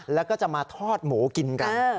แล้วก็จะมาทอดหมูกินกัน